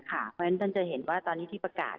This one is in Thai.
เพราะฉะนั้นท่านจะเห็นว่าตอนนี้ที่ประกาศ